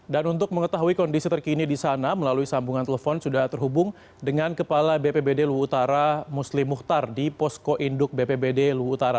dan untuk mengetahui kondisi terkini di sana melalui sambungan telepon sudah terhubung dengan kepala bpbd luwutara muslim muhtar di posko induk bpbd luwutara